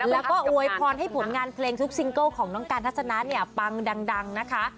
แล้วก็อวยพรให้ผลงานเพลงทุกซิงเกิลของน้องการทัศนะเนี่ยปังดังนะคะ